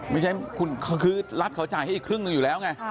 ไม่ใช่คือรัฐเขาจ่ายให้อีกครึ่งหนึ่งอยู่แล้วไง